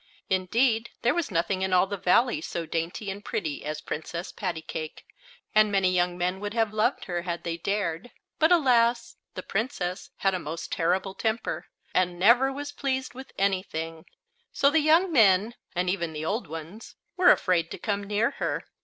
Indeed, there was nothing in all the Valley so dainty and pretty as Princess Pattycake, and many young men would have loved her had they dared. But, alas! the Princess had a most terrible temper, and never was pleased with anything; so the young men, and even the old ones, were afraid to come near her.